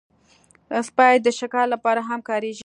سپي د شکار لپاره هم کارېږي.